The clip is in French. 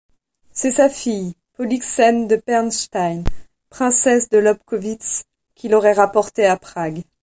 C'est sa fille, Polyxène de Pernstein, princesse de Lobkowicz, qui l'aurait rapportée à Prague.